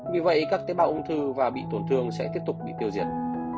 vì vậy các tế bào ung thư và bị tổn thương sẽ tiếp tục bị tiêu diệt